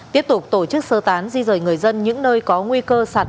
tiếp tục tổ chức sơ tán di rời người dân những nơi có nguy cơ sạt lở